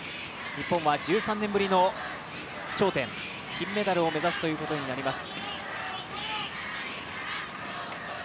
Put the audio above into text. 日本は１３年ぶりの頂点、金メダルを目指すということになります。